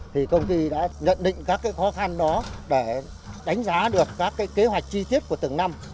thì công ty đã nhận định các khó khăn đó để đánh giá được các kế hoạch chi tiết của từng năm